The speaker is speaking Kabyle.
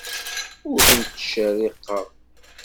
Ur tent-ttcerriqeɣ.